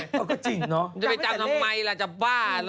จะไปจำทำไมล่ะจะบ้าเหรอ